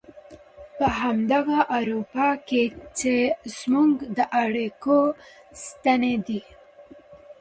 په همدغه اروپا کې چې زموږ د اړيکو ستنې دي.